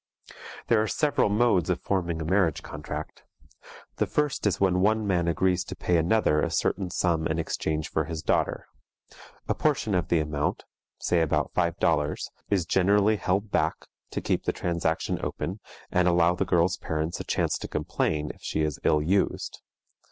There are several modes of forming a marriage contract. The first is when one man agrees to pay another a certain sum in exchange for his daughter. A portion of the amount, say about five dollars, is generally held back, to keep the transaction open, and allow the girl's parents a chance to complain if she is ill used.